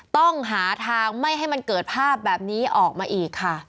ต้องหาทางไม่ให้มันเกิดภาพแบบนี้ออกมาอีกค่ะ